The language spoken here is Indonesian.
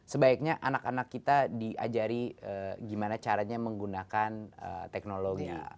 sebaiknya anak anak kita diajari gimana caranya menggunakan teknologi